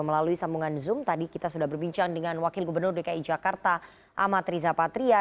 melalui sambungan zoom tadi kita sudah berbincang dengan wakil gubernur dki jakarta amat riza patria